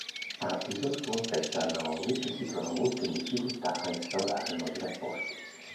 Addison confessa a Naomi che si trova molto in difficoltà a instaurare nuovi rapporti.